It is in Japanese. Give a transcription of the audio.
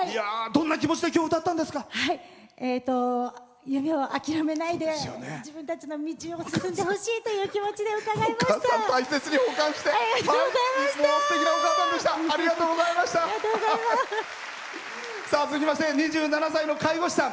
どんな気持ちで夢を諦めないで自分たちの道を進んでほしいという気持ちで続きまして２７歳の介護士さん。